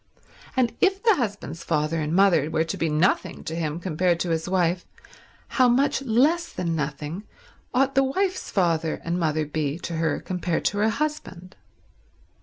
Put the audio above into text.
And if the husband's father and mother were to be nothing to him compared to his wife, how much less than nothing ought the wife's father and mother be to her compared to her husband.